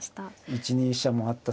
１二飛車もあった。